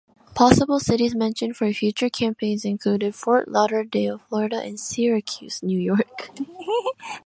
Possible cities mentioned for future campaigns included Fort Lauderdale, Florida and Syracuse, New York.